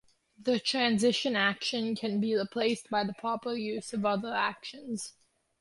The transition action can be replaced by the proper use of other actions.